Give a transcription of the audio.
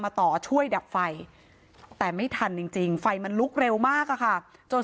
ต่อช่วยดับไฟแต่ไม่ทันจริงไฟมันลุกเร็วมากอะค่ะจน